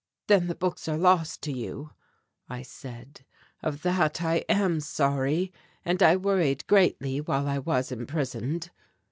"Then the books are lost to you," I said; "of that I am sorry, and I worried greatly while I was imprisoned."